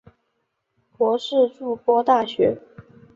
博士筑波大学。